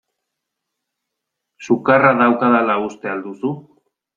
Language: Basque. Sukarra daukadala uste al duzu?